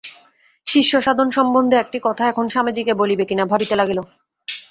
শিষ্য সাধন সম্বন্ধে একটি কথা এখন স্বামীজীকে বলিবে কিনা, ভাবিতে লাগিল।